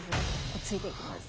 突いていきます。